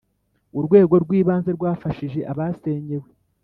urwego rw Ibanze rwafashije abasenyewe